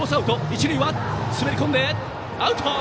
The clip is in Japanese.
一塁、滑り込んでアウト！